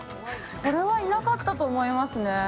これはいなかったと思いますね